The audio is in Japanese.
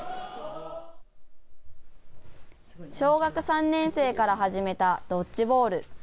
小学３年生から始めたドッジボール。